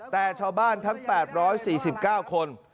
แต่ชาวบ้านทั้ง๘๔๙คน